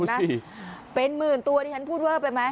คุณเห็นไหมเป็นหมื่นตัวที่ฉันพูดเวิร์ดไปไหม